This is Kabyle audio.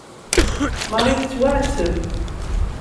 Marie tettwaɛetteb.